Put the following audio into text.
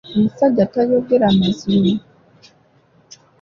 Omusajja tayogera mazima.